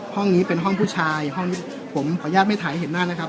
ห้องนี้เป็นห้องผู้ชายห้องนี้ผมขออนุญาตไม่ถ่ายให้เห็นหน้านะครับ